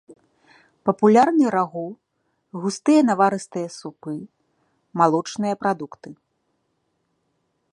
Папулярны рагу, густыя наварыстыя супы, малочныя прадукты.